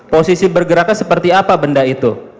posisi bergeraknya seperti apa benda itu